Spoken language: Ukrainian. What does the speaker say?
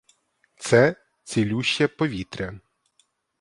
Це — цілюще повітря.